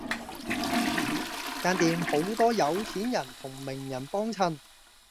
間店有好多有錢人同名人幫襯